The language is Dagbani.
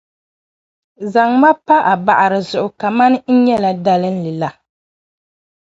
zaŋ ma pa a baɣiri zuɣu kaman n nyɛla dalinli la.